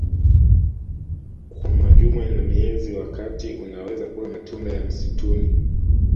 kwa majuma na miezi wakati unaweza kula matunda ya msituni